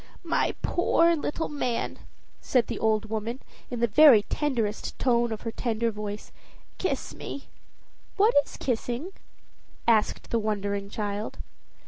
"My poor little man!" said the old woman in the very tenderest tone of her tender voice. "Kiss me!" "What is kissing?" asked the wondering child.